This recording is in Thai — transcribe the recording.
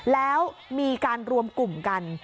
แล้วมีการรวมกลุ่มกัน